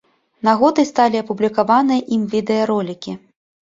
Нагодай сталі апублікаваныя ім відэаролікі.